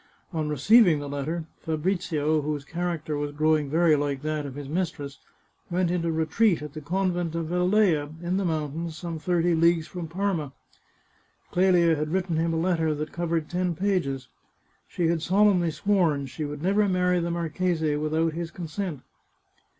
On receiving the letter, Fabrizio, whose character was growing very like that of his mistress, went into retreat at the Convent of Velleia, in the mountains, some thirty leagues from Parma. Clelia had written him a letter that covered ten pages. She had solemnly sworn she would never marry the marchese without his consent.